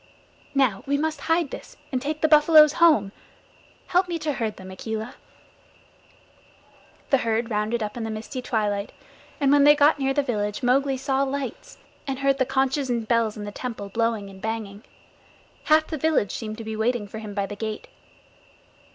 "Now we must hide this and take the buffaloes home! Help me to herd them, Akela." The herd rounded up in the misty twilight, and when they got near the village Mowgli saw lights, and heard the conches and bells in the temple blowing and banging. Half the village seemed to be waiting for him by the gate.